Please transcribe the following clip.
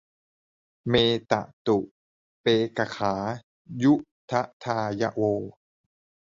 เมตตุเปกขายุทธายะโว